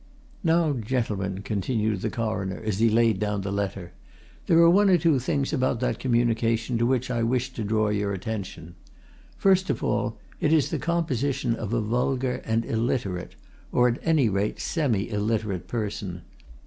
"Now, gentlemen," continued the Coroner, as he laid down the letter, "there are one or two things about that communication to which I wish to draw your attention. First of all, it is the composition of a vulgar and illiterate, or, at any rate, semi illiterate person.